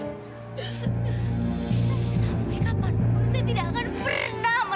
sampai kapanpun saya tidak akan merestui kamu